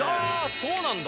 そうなんだ。